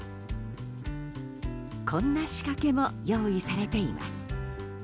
こんな仕掛けも用意されています。